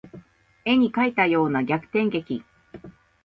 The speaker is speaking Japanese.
絵に描いたような逆転劇